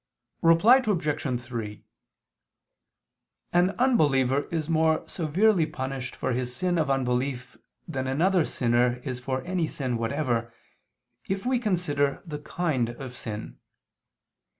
Reply Obj. 3: An unbeliever is more severely punished for his sin of unbelief than another sinner is for any sin whatever, if we consider the kind of sin.